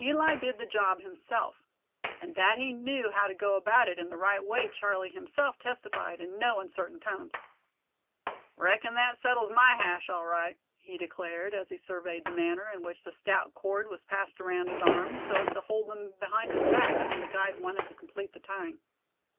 Eli did the job himself. And that he knew how to go about it in the right way Charlie himself testified in no uncertain tones. "Reckon thet settles my hash, all right," he declared, as he surveyed the manner in which the stout cord was passed around his arms, so as to hold them behind his back when the guide wanted to complete the tying.